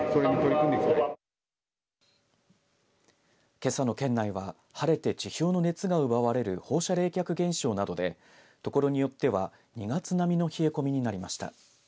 けさの県内は晴れて地表の熱が奪われる放射冷却現象などで所によっては２月並みの冷え込みになりました。